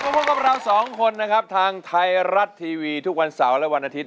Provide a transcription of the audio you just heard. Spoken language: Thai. พบกับเราสองคนนะครับทางไทยรัฐทีวีทุกวันเสาร์และวันอาทิตย